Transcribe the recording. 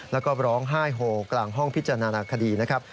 แล้วก็ร้องไห้โฮกลางห้องพิจารณาคดีนะครับ